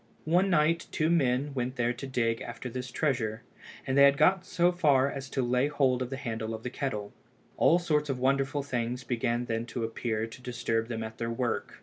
One night two men went there to dig after this treasure, and they had got so far as to lay hold of the handle of the kettle. All sorts of wonderful things began then to appear to disturb them at their work.